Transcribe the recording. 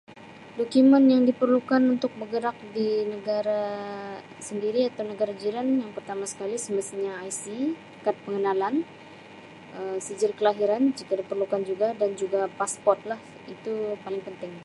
Dokumen yang diperlukan untuk bergerak di negara sendiri atau negara jiran ialah yang pertama sekali semestinya ic kad pengenalan, Um sijil kelahiran jika diperlukan juga dan juga passport lah itu paling penting.